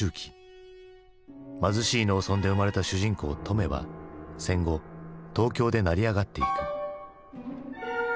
貧しい農村で生まれた主人公トメは戦後東京で成り上がっていく。